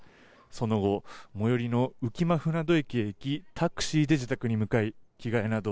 その後最寄りの浮間舟渡駅へ行きタクシーで自宅に向かい着替えなど